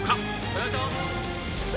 お願いします！